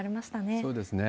そうですね。